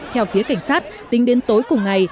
theo phía cảnh sát tính đến tối cùng ngày